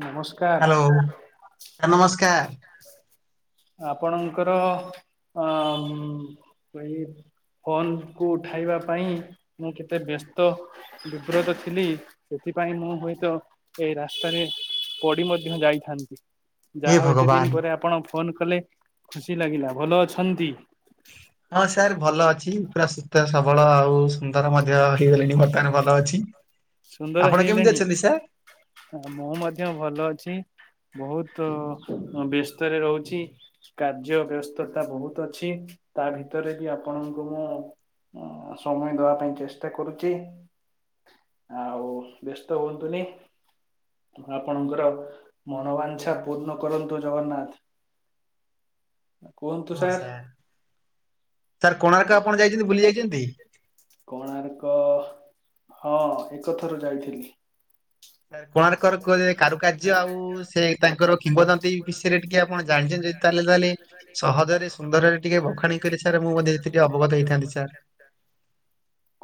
ନମସ୍କାର hello sir ନମସ୍କାର। ଆପଣଙ୍କର ଅ ଅ ମ୍ ଏଇ ଫୋନ କୁ ଉଠାଇବା ପାଇଁ ମୁଁ କେତେ ବ୍ୟସ୍ତ ବିବ୍ରତ ଥିଲି ସେଥିପାଇଁ ମୁଁ ହୁଏ ତ ଏ ରାସ୍ତାରେ ପଡ଼ି ମଧ୍ୟ ଯାଇଥାନ୍ତି। ହେ ଯାହା ହଉ ଏତେ ଭଗବାନ ଦିନ ପରେ ଆପଣ ଫୋନ କଲେ ଖୁସି ଲାଗିଲା ଭଲ ଅଛନ୍ତି? ହଁ ସାର୍ ଭଲ ଅଛି ପୁରା ସୁସ୍ଥ ସବଳ ଆଉ ସୁନ୍ଦର ମଧ୍ୟ ହେଇଗଲେଣି ବର୍ତ୍ତମାନ ଭଲ ଅଛି। ସୁନ୍ଦର ଆପଣ କେମିତି ହେଇଗଲେଣି। ଅଛନ୍ତି ସାର୍? ମୁଁ ମଧ୍ୟ ଭଲ ଅଛି ବହୁତୁ ଅଁ ବ୍ୟସ୍ତରେ ରହୁଛି। କାର୍ଯ୍ୟ ବ୍ୟସ୍ତତା ବହୁତ ଅଛି ତା ଭିତରେ ବି ଆପଣଙ୍କୁ ମୁଁ ଉଁ ସମୟ ଦବା ପାଇଁ ଚେଷ୍ଟା କରୁଚି। ଆଉ ବ୍ୟସ୍ତ ହୁଅନ୍ତୁନି। ଆପଣଙ୍କର ମନବାଞ୍ଛା ପୂର୍ଣ କରନ୍ତୁ ଜଗନ୍ନାଥ। ହଁ ସାର୍। ସାର୍ କୋଣାର୍କ ଆପଣ ଯାଇଛନ୍ତି ବୁଲି ଯାଇଛନ୍ତି? କୋଣାର୍କ ହଁ ଏକ ଥର ଯାଇଥିଲି। ସାରେ କୋଣାର୍କର କୁହାଯାଏ କାରୁକାର୍ଯ୍ୟ ଆଉ ସେ ତାଙ୍କର କିମ୍ବଦନ୍ତୀ ବିଷୟରେ ଟିକେ ଆପଣ ଜାଣିଚନ୍ତି ଯଦି ତାହେଲେ ତାହେଲେ ସହଜରେ ସୁନ୍ଦରରେ ଟିକେ ବଖାଣି କରି ସାର୍ ମୁଁ ମଧ୍ୟ ସେତିକ ଟିକେ ଅବଗତ ହେଇଥାନ୍ତି ସାର୍।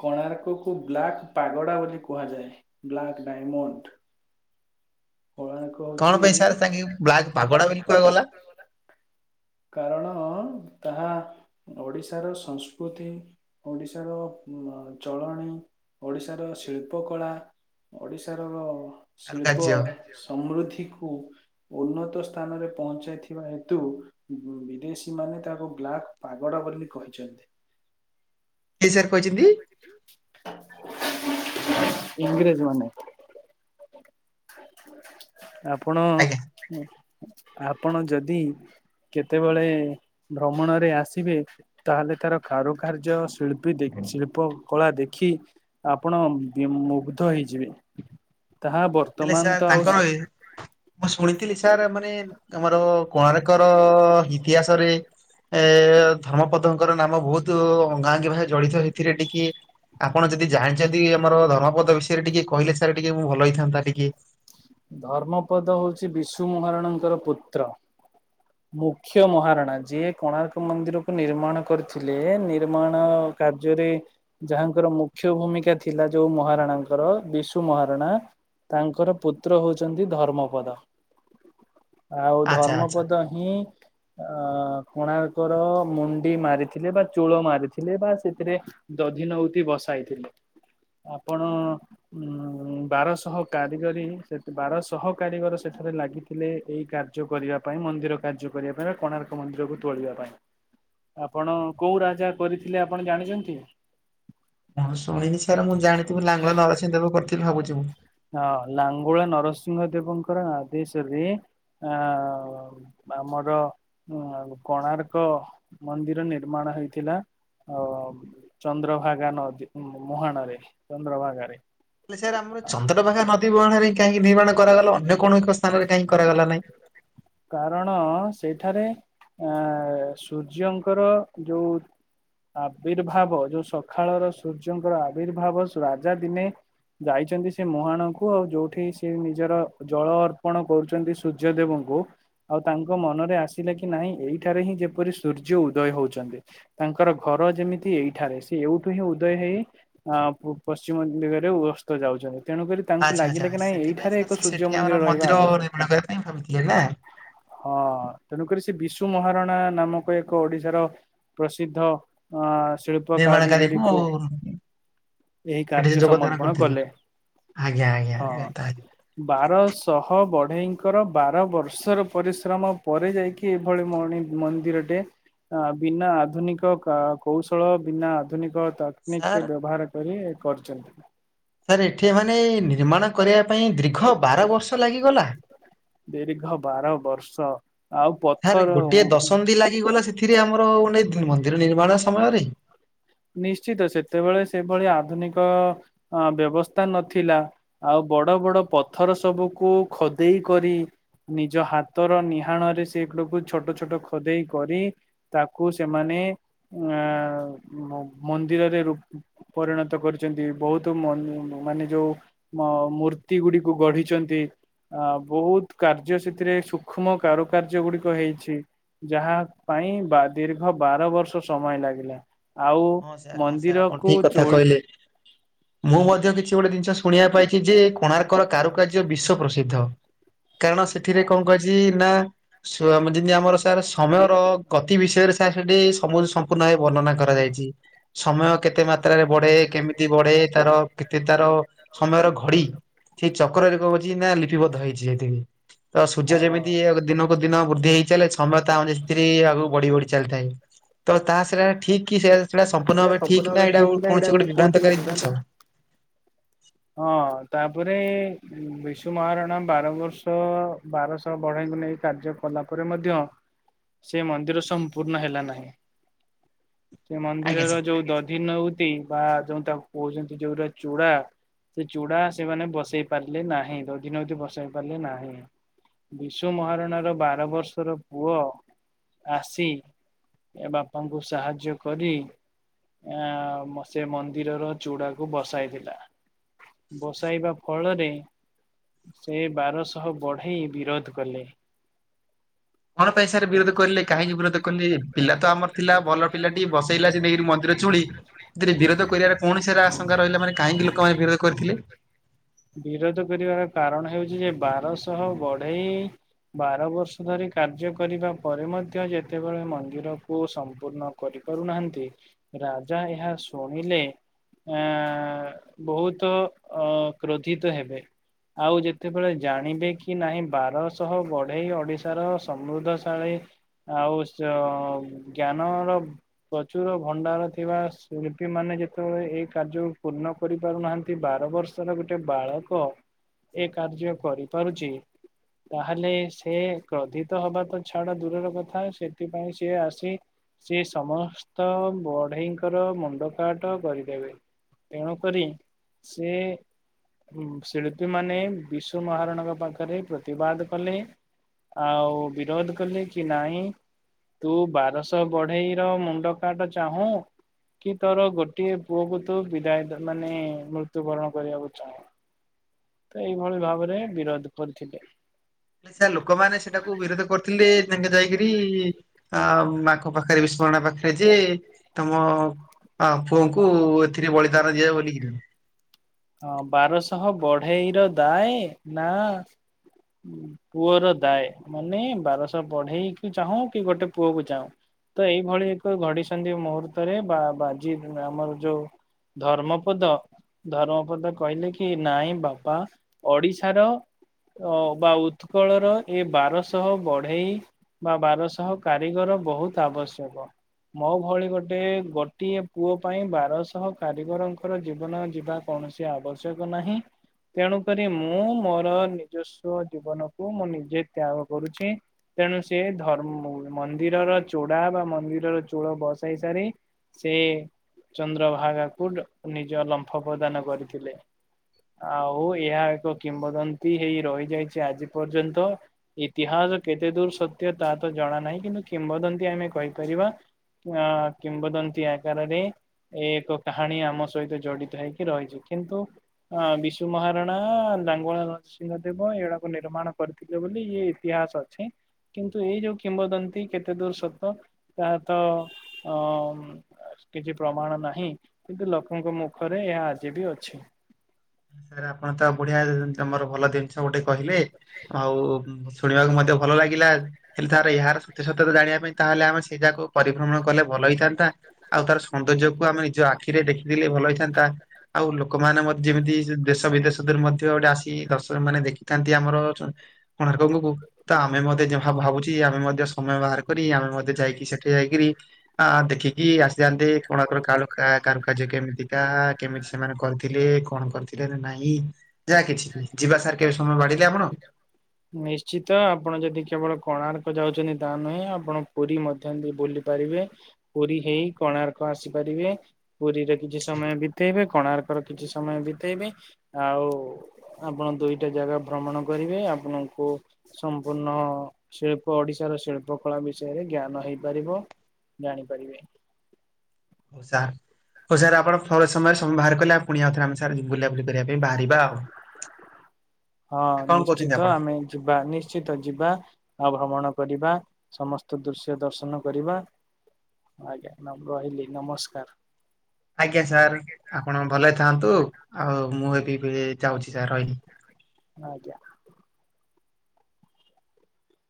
କୋଣାର୍କ କ ବ୍ଲାକ୍ ପାଗଡ଼ା ବୋଲି କୁହାଯାଏ ବ୍ଲାକ୍ ଡାଇମଣ୍ଡ। କଳା କଣ ପାଇଁ ସାର୍ ସାଙ୍ଗେ ବ୍ଲାକ୍ ପାଗଡା ବିଲ କୁଆ ଗଲା। କାରଣ ତାହା ଓଡ଼ିଶାର ସଂସ୍କୃତି, ଓଡିଶାର ଚଳଣି, ଓଡିଶାର ଶିଳ୍ପ କଳା ଓଡିଶାର ଶିଳ୍ପ କାରୁକାର୍ଯ୍ୟ ସମୃଦ୍ଧିକୁ ଉନ୍ନତ ସ୍ଥାନରେ ପହଞ୍ଚାଇଥିବା ହେତୁ ବିଦେଶୀ ମାନେ ତାକୁ ବ୍ଲାକ୍ ପାଗଡା ବୋଲି କହିଛନ୍ତି। କିଏ ସାର୍ କହିଛନ୍ତି? ଇଂଗ୍ରୋଜ୍ ମାନେ। ଆପଣ ଆଜ୍ଞା ଆପଣ ଯଦି କେତେବେଳେ ଭ୍ରମଣରେ ଆସିବେ। ତାହେଲେ ତାର କାରୁକାର୍ଯ୍ୟ ଶିଳ୍ପୀ ଦେ ଶିଳ୍ପ କଳା ଦେଖି ଆପଣ ବି ମୁଗ୍ଧ ହେଇଯିବେ। ତାହା ବର୍ତ୍ତ ହେଲେ ସାର୍ ତାଙ୍କର ଏ ମୁଁ ଶୁଣିଥିଲି ସାର୍ ମାନେ ଆମର କୋଣାର୍କର ଇତିହାସରେ ଏ ଧର୍ମପଦଙ୍କର ନାମ ବହୁତ ଅଙ୍ଗାଙ୍ଗୀ ଭାବେ ଜଡିତ ଏଥିରେ ଟିକେ। ଆପଣ ଯଦି ଜାଣିଛନ୍ତି ଆମର ଧର୍ମପଦ ବିଷୟରେ ଟିକେ କହିଲେ ସାର୍ ଟିକେ ମୁଁ ଭଲ ହେଇଥାନ୍ତା ଟିକେ? ଧର୍ମପଦ ହୋଉଚି ବିଶୁ ମହାରଣାଙ୍କର ପୁତ୍ର। ମୁଖ୍ୟ ମହାରଣା ଯିଏ କୋଣାର୍କ ମନ୍ଦିରକୁ ନିର୍ମାଣ କରଥୁଲେ। ନିର୍ମାଣ କାର୍ଯ୍ୟରେ ଯାହାଙ୍କର ମୁଖ୍ୟ ଭୂମିକା ଥିଲା ଯୋଉ ମହାରଣାଙ୍କର ବିଶୁ ମହାରଣା। ତାଙ୍କର ପୁତ୍ର ହୋଉଚନ୍ତି ଧର୍ମପଦ। ଆଉ ଆଚ୍ଛା ଆଚ୍ଛା। ଧର୍ମପଦ ହିଁ ଅ କୋଣାର୍କର ମୁଣ୍ଡି ମାରିଥିଲେ ବା ଚୁଳ ମାରିଥିଲେ ବା ସେଥିରେ ଦଧି ନହୁତି ବସାଇଥିଲେ। ଆପଣ ଉଁ ବାରଶହ କାରିଗରୀ ତେତ ବାରଶହ କାରିଗର ସେଠାରେ ଲାଗିଥିଲେ ଏଇ କାର୍ଯ୍ୟ କରିବା ପାଇଁ। ମନ୍ଦିର କାର୍ଯ୍ୟ କରିବା ପାଇଁ କୋଣାର୍କ ମନ୍ଦିରକୁ ତୋଳିବା ପାଇଁ। ଆପଣ କୋଉ ରାଜା କରିଥିଲେ ଆପଣ ଜାଣିଚନ୍ତି? ହଁ ଶୁଣିନି ସାର୍ ମୁଁ ଜାଣିଥିବି ଲାଙ୍ଗୁଳା ନରସିଂହଦେବ କରିଥିଲେ ଭାବୁଚି ମୁଁ। ହଁ ଲାଙ୍ଗୁଳା ନରସିଂହ ଦେବଙ୍କର ଆଦେଶରେ ଆଉ ଆମର ଉ କୋଣାର୍କ ମନ୍ଦିର ନିର୍ମାଣ ହେଇଥିଲା। ଅ ଚନ୍ଦ୍ରଭାଗା ନଦୀ ମୁହାଣରେ ଚନ୍ଦ୍ରଭାଗ ରେ। ହେଲେ ସାର୍ ଆମର ଚନ୍ଦ୍ରଭାଗା ନଦୀ ମୁହାଣରେ କାହିଁକି ନିର୍ମାଣ କରାଗଲା ଅନ୍ୟ କୌଣସି ସ୍ଥାନରେ କାହିଁକି କରାଗଲା ନାହିଁ? କାରଣ ସେଠାରେ ଆ ସୂର୍ଯ୍ୟଙ୍କର ଯୋଉ ଆବିର୍ଭାବ ଯୋଉ ସଖାଳର ସୂର୍ଯ୍ୟଙ୍କର ଆବିର୍ଭାବ। ରାଜା ଦିନେ ଯାଇଛନ୍ତି ସେ ମୁହାଣଙ୍କୁ ଆଉ ଯୋଉଠି ସେ ନିଜର ଜଳ ଅର୍ଥ ଅର୍ପଣ କରୁଚନ୍ତି ସୂର୍ଯ୍ୟଦେବଙ୍କୁ। ଆଉ ତାଙ୍କ ମନରେ ଆସିଲା କି ନାଇଁ ଏଇଠାରେ ହିଁ ଯେପରି ସୂର୍ଯ୍ୟ ଉଦୟ ହୋଉଚନ୍ତି। ତାଙ୍କର ଘର ଯେମିତି ଏଇଠାରେ। ସେ ଏଇଠୁ ହିଁ ଉଦୟ ହେଇ ହଁ ପଶ୍ଚିମ ଦିଗରେ ଅସ୍ତ ଯାଉଛନ୍ତି। ତେଣୁକରି ତାଙ୍କୁ ଆଚ୍ଛା ଆଚ୍ଛା ଲାଗିଲା କି ନାଇଁ ଏଇଠାରେ ଏକ ସୂର୍ଯ୍ୟ ମନ୍ଦିର ରହିବା ହ ଆବ ନିର୍ମାଣ କରିବା ପାଇଁ ଭାବିଥିଲେ ହେଲା। ହଁ ତେଣୁକରି ସେ ବିଶୁ ମହାରଣା ନାମକ ଏକ ଓଡିଶାର ପ୍ରସିଦ୍ଧ ଆ ଶିଳ୍ପ ନିର୍ମାଣକାରୀକୁ କାରିଗରି କୁ ଏହି ସେଠି ସେ କାର୍ଯ୍ୟ ଯୋଗଦାନ ସମର୍ପଣ କରିଥିଲେ। କଲେ। ଆଜ୍ଞା ଆଜ୍ଞା ଆଜ୍ଞା ତାହା ହଁ ବାରଶହ ହଁ ବଢେଇଙ୍କର ବାର ବର୍ଷର ପରିଶ୍ରମ ପରେ ଯାଇକି ଏଭଳି ମଣି ମନ୍ଦିରଟେ ଆ ବିନା ଆଧୁନିକ କୌଶଳ ବିନା ଆଧୁନିକତା ସାର୍ ବ୍ୟବହାର କରି କରୁଛନ୍ତି। ସାର୍ ଏଠି ଏମାନେ ନିର୍ମାଣ କରିବା ପାଇଁ ଦୀର୍ଘ ବାର ବର୍ଷ ଲାଗିଗଲା। ଦୀର୍ଘ ବାର ବର୍ଷ ଆଉ ପଥର ଏତିକି ଗଲା ସେଥିରେ ଆମର ମନ୍ଦିର ନିର୍ମାଣ ସମୟରେ ନିଶ୍ଚିତ ସେତେବେଳେ ସେଭଳି ଆଧୁନିକ ବ୍ୟବସ୍ଥା ନଥିଲା। ଆଉ ବଡ ବଡ ପଥର ସବୁକୁ ଖଦେଇ କରି ନିଜ ହାତର ନିହାଣ ରେ ସେଗୁଡାକୁ ଛୋଟ ଛୋଟ ଖୋଦେଇ କରି ତାକୁ ସେମାନେ ଅ ମନ୍ଦିରରେ ର ପରିଣତ କରିୁଛନ୍ତି ବହୁତ ମାନେ ଯୋଉ ଅ ମୂର୍ତ୍ତି ଗୁଡିକୁ ଗଢିଛନ୍ତି ଆ ବହୁତ କାର୍ଯ୍ୟ ସେଥିରେ ସୂକ୍ଷ୍ମ କାରୁକାର୍ଯ୍ୟ ଗୁଡିକ ହେଇଛି। ଯାହା ପାଇଁ ବା ଦୀର୍ଘ ବାର ବର୍ଷ ସମୟ ଲାଗିଲା। ଆଉ ହଁ ସାର୍ ହଁ ସାର୍ ଆପଣ ମନ୍ଦିରକୁ ଠିକ କଥା ଚୋଳ କହିଲେ। ମୁଁ ମଧ୍ୟ କିଛି ଗୋଟେ ଜିନିଷ ଶୁଣିବା ପାଇଛି ଯେ କୋଣାର୍କର କାରୁକାର୍ଯ୍ୟ ବିଶ୍ଵ ପ୍ରସିଦ୍ଧ। କାରଣ ସେଥିରେ କଣ କଛି ନା ଶୁଣ ଆମେ ଯେମିତି ଆମର ସାର୍ ସମୟର ଗତି ବିଷୟରେ ସାର୍ ସେଠି ସମ ସମ୍ପୂର୍ଣ୍ଣ ଭାବେ ବର୍ଣ୍ଣନା କରାଯାଇଛି। ସମୟ କେତେ ମାତ୍ରାରେ ବଢେ କେମିତି ବଢେ ତାର କେତେ ତାର ସମୟର ଘଡି ସେଇ ଚକ୍ରରେ କ ନା ଲିପିବଦ୍ଧ ହେଇଛି ସେତିକି ତ ସୂର୍ଯ୍ୟ ହଁ ଯେମିତି ଦିନକୁ ଦିନ ବୃଦ୍ଧି ହେଇଛି ଚାଲେ ସମୟ ଟା ଅନିସ୍ତିରେ ଆଗକୁ ବଢି ବଢି ଚାଲିଥାଏ ତ ତା ସେଟା ଠିକ କି ସେ ସେଇଟା ସମ୍ପୂର୍ଣ୍ଣ ଭାବେ ଠିକ ନା ଏଟା କୌଣସି ଗୋଟେ ବିଭ୍ରାନ୍ତକାରୀ ଜିନିଷ। ହଁ ତାପରେ ବିଶୁ ମହାରଣା ବାର ବର୍ଷ ବାରଶହ ବଢେଇଙ୍କୁ ନେଇ କାର୍ଯ୍ୟ କଲା ପରେ ମଧ୍ୟ ସେ ମନ୍ଦିର ସମ୍ପୂର୍ଣ୍ଣ ହେଲା ନାହିଁ। ସେ ଆଜ୍ଞା ସାର୍। ମନ୍ଦିରର ଯୋଉ ଦଧି ନଉଟି ବା ଯୋଉ ତାକୁ କହୁଛନ୍ତି ଯୋଉଟା ଚୂଡା ସେ ଚୁଡା ସେମାନେ ବସେଇ ପାରିଲେ ନାହିଁ ଦଧିନଉତି ବସେଇ ପାରିଲେ ନାହିଁ। ବିଶୁ ମହାରଣା ର ବାର ବର୍ଷର ପୁଅ ଆସି ଏ ବାପାଙ୍କୁ ସାହାଯ୍ୟ କରି ଆ ସେ ମନ୍ଦିରର ଚୁଡାକୁ ବସାଇଥିଲା। ବସାଇବା ଫଳରେ ସେ ବାରଶହ ବଢେଇ ବିରୋଧ କଲେ। କଣ ପାଇଁ ସାର୍ ବିରୋଧ କରିଲେ କାହିଁକି ବିରୋଧ କଲେେ? ପିଲା ତ ଆମର ଥିଲା ଭଲ ପିଲା ଟିକେ ବସେଇଲା ସେ ନେଇକି ମନ୍ଦିର ଚୁଳି, ସେଥିରେ ବିରୋଧ କରିବାର କଣ ସାର ଆଶଙ୍କା ରହିଲା ମାନେ କାହିଁକି ଲୋକମାନେ ବିରୋଧ କରିଥିଲେ? ବିରୋଧ କରିବାର କାରଣ ହଉଛି ଯେ ବାରଶହ ବଢେଇ ବାର ବର୍ଷ ଧରି କାର୍ଯ୍ୟ କରିବା ପରେ ମଧ୍ୟ ଯେତେବେଳେ ମନ୍ଦିରକୁ ସମ୍ପୂର୍ଣ୍ଣ କରିପାରୁନାହାନ୍ତି ରାଜା ଏହା ଶୁଣିଲେ ଆ ବହୁତ ଅ କ୍ରୋଧିତ ହେବେ। ଆଉ ଯେତେବେଳେ ଜାଣିବେ କି ନାହିଁ ବାରଶହ ବଢେଇ ଓଡିଶାର ସମୃଦ୍ଧଶାଳୀ ଆଉ ସ ଜ୍ଞାନ ର ପ୍ରଚୁର ଭଣ୍ଡାର ଥିବା ଶିଳ୍ପୀ ମାନେ ଯେତେବେଳେ ଏଇ କାର୍ଯ୍ୟ କୁ ପୂର୍ଣ୍ଣ କରିପାରୁନାହାନ୍ତି ପ୍ରତି ବାର ବର୍ଷର ଗୋଟେ ବାଳକ ଏ କାର୍ଯ୍ୟ କରିପାରୁଛି ତାହେଲେ ସେି କ୍ରୋଧିତ ହବା ତ ଛାଡା ଦୂରର କଥା ସେଥିପାଇଁ ସିଏ ଆସି ସେି ସମସ୍ତ ବଢେଇଙ୍କର ମୁଣ୍ଡ କାଟ କରିଦେବେ ତେଣୁ କରି ସେ ଉ ଶିଳ୍ପୀ ମାନେ ବିଶୁ ମହାରଣଙ୍କ ପାଖରେ ପ୍ରତିବାଦ କଲେ ଆଉ ବିରୋଧ କଲେ କି ନାହିଁ ତୁ ବାରଶହ ବଢେଇ ର ମୁଣ୍ଡ କାଟ ଚାହୁଁ କି ତୋର ଗୋଟେ ପୁଅ କ ତୁ ବିଦାୟ ମାନେ ମୃ ମୃତ୍ୟୁବରଣ କରିବାକୁ ଚାହୁଁ ତ ଏଇଭଳି ଭାବରେ ବିରୋଧ କରିଥିଲେ ସେ ଲୋକମାନେ ସେଟାକୁ ବିରୋଧ କରିଥିଲେ ତାଙ୍କେ ଯାଇ କିରି ଆ ଆଖ ପାଖରେ ବିସୁ ମହାରଣା ପାଖରେ ଯିଏ ତମ ହଁ ପୁଅଙ୍କୁ ଏଥିରେ ବଳିଦାନ ଦିଅ ବୋଲି ହଁ ବାରଶହ ବଢେଇ ର ଦାଏ ନା ପୁଅର ଦାଏ ମାନେ ବାରଶହ ବଢେଇ କି ଚାହୁଁ କି ଗୋଟେ ପୁଅ କୁ ଚାହୁଁ ତ ଏଇଭଳି ଏକ ଘଡିସନ୍ଧି ମୁହୂର୍ତ୍ତରେ ବା ବାଜି ଆମର ଯୋଉ ଧର୍ମପଦ ଧର୍ମ ଧର୍ମପଦ କହିଲେ କି ନାଇଁ ବାପା ଓଡିଶାର ଅ ବା ଉତ୍କଳର ଏ ବାରଶହ ବଢେଇ ବା ବାରଶହ କାରିଗର ବହୁତ ଆବଶ୍ୟକ। ମୋ ଭଳି ଗୋଟେ ଗୋଟିଏ ପୁଅ ପାଇଁ ବାରଶହ କାରିଗରଙ୍କର ଜୀବନ ଯିବା କୌଣସି ଆବଶ୍ୟକ ନାହିଁ। ତେଣୁ କରି ମୁଁ ମୋର ନିଜସ୍ୱ ଜୀବନକୁ ମୁଁ ନିଜେ ତ୍ୟାଗ କରୁଛି। ତେଣୁ ସେ ଧର୍ମ ମନ୍ଦିରର ଚୋଡା ବା ମନ୍ଦିରର ଚୋଳ ବସେଇ ସାରି ସେ ଚନ୍ଦ୍ରଭାଗାକୁ ନିଜ ଲମ୍ଫ ପ୍ରଦାନ କରିଥିଲେ ଆଉ ଏହା ଏକ କିମ୍ବଦନ୍ତୀ ହେଇ ରହିଯାଇଛି ଆଜି ପର୍ଯ୍ୟନ୍ତ ଇତିହାସ କେତେ ଦୂର ସତ୍ୟ ତାହା ତ ଜଣା ନାହିଁ କିନ୍ତୁ କିମ୍ବଦନ୍ତୀ ଆମେ କହିପାରିବା ଆ କିମ୍ବଦନ୍ତୀ ଆକାରରେ ଏ ଏକ କାହାଣୀ ଆମ ସହିତ ଜଡିତ ହେଇକି ରହିଛି କିନ୍ତୁ ହଁ ବିଶୁ ମହାରଣା ଲାଙ୍ଗୁଳା ନରସିଂହ ଦେବ ଏଇଗୁଡାକୁ ନିର୍ମାଣ କରି ଥିଲେ ବୋଲି ଇଏ ଇତିହାସ ଅଛି। କିନ୍ତୁ ଏଇ ଯୋଉ କିମ୍ବଦନ୍ତୀ କେତେ ଦୂର ସତ ତାହା ତ ଅ କିଛି ପ୍ରମାଣ ନାହିଁ କିନ୍ତୁ ଲୋକଙ୍କ ମୁଖରେ ଏହା ଆଜି ବି ଅଛି ସାର୍ ଆପଣ ତ ବଢିଆ ତମର ଭଲ ଜିନିଷ ଗୋଟେ କହିଲେ ଆଉ ଶୁଣିବାକୁ ମଧ୍ୟ ଭଲ ଲାଗିଲା। ହେଲେ ତାର ଏହାର ସତ୍ୟ ସତ୍ୟତା ଜାଣିବା ପାଇଁ ତାହଲେ ଆମେ ସେଇଯାଗାକୁ ପରିଭ୍ରମଣ କଲେ ଭଲ ହେଇଥାନ୍ତା। ଆଉ ତାର ସୌନ୍ଦର୍ଯ୍ୟ କୁ ଆମେ ନିଜ ଆଖିରେ ଦେଖିଥିଲେ ଭଲ ହେଇଥାନ୍ତା ଆଉ ଲୋକମାନେ ମ ଯେମିତି ଦେଶ ବିଦେଶ ଦରୁ ମଧ୍ୟ ଗୋଟେ ଆସି ଦର୍ଶକ ମାନେ ଦେଖିଥାନ୍ତି ଆମର କୋଣାର୍କକୁ ତ ଆମେ ମଧ୍ୟ ଭାବୁଛି ଆମେ ମଧ୍ୟ ସମୟ ବାହାର କରି ଆମେ ମଧ୍ୟ ଯାଇକି ସେଠି ଯାଇକିରି ହଁ ଦେଖିକି ଆସିଯାଆନ୍ତେ କୋଣାର୍କ ର କାରୁକାର୍ଯ୍ୟ କେମିତିକା, କେମିତି ସେମାନେ କରିଥିଲେ? କଣ କରିଥିଲେ ନାଇଁ ଯାହା କିଛି ବି ଯିବା ସାର୍ କେବେ ସମୟ ବାଡିଲେ ଆପଣ ନିଶ୍ଚିତ ଆପଣ ଯଦି କେବଳ କୋଣାର୍କ ଯାଉଛନ୍ତି ତା ନୁହେଁ ଆପଣ ପୁରୀ ମଧ୍ୟ ବୁଲି ପାରିବେ ପୁରୀ ହେଇ କୋଣାର୍କ ଆସିପାରିବେ ପୁରୀରେ କିଛି ସମୟ ବିତେଇବେ କୋଣାର୍କର କିଛି ସମୟ ବିତେଇଵେ ଆଉ ଆପଣ ଦୁଇଟା ଜାଗା ଭ୍ରମଣ କରିବେ ଆପଣଙ୍କୁ ସମ୍ପୂର୍ଣ୍ଣ ଶିଳ୍ପ ଓଡିଶାର ଶିଳ୍ପ କଳା ବିଷୟରେ ଜ୍ଞାନ ହେଇପାରିବ ଜାଣିପାରିବେ ହଉ ସାର୍ ହଉ ସାର୍ ଆପଣ ଫଲ ସମୟରେ ସମୟ ବାହାର କଲେ ଆ ପୁଣି ଆଉଥରେ ଆମେ ସାଙ୍ଗରେ ବୁଲାବୁଲି କରିବା ପାଇଁ ବାହାରିବା ଆଉ। ହଁ ନା କଣ କହୁଛନ୍ତି ନିଶ୍ଚିତ ଆପଣ? ଆମେ ଯିବା ନିଶ୍ଚ୍ ଶ୍ଚିତ ଯିବା ଆଉ ଭ୍ରମଣ କରିବା ସମସ୍ତ ଦୃଶ୍ୟ ଦର୍ଶନ କରିବା। ଆଜ୍ଞା ନମ ରହିଲି ନମସ୍କାର। ଆଜ୍ଞା ସାର୍ ଆପଣ ଭଲରେ ଥାଆନ୍ତୁ ଆଉ ମୁଁ ବି ଏବେ ଯାଉଛି ସାର୍ ରହିଲି। ଆଜ୍ଞା।